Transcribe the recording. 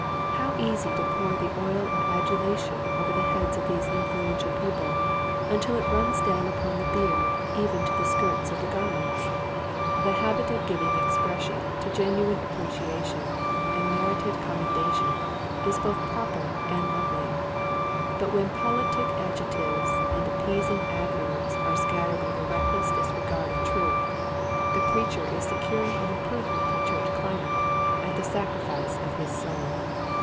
How easy to pour the oil of adulation over the heads of these influential people until it runs down upon the beard even to the skirts of the gar ments ! The habit of giving expression to genuine appreciation and merited com mendation is both proper and lovely, but when politic adjectives and appeasing ad verbs are scattered with a reckless dis regard of truth, the preacher is securing an improvement in church climate at the sacrifice of his soul.